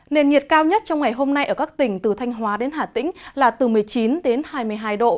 nền nhiệt cao nhất trong ngày hôm nay ở các tỉnh từ thanh hóa đến hà tĩnh là từ một mươi chín đến hai mươi hai độ